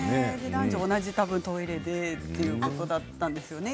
男女同じトイレということだったんですよね。